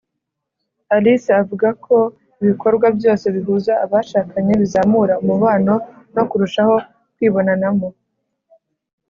alice avuga ko ibikorwa byose bihuza abashakanye bizamura umubano no kurushaho kwibonanamo.